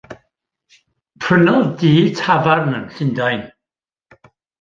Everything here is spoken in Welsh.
Prynodd dŷ tafarn yn Llundain.